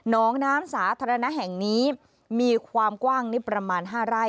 น้องน้ำสาธารณะแห่งนี้มีความกว้างนิดประมาณ๕ไร่